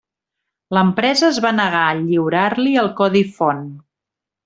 L'empresa es va negar a lliurar-li el codi font.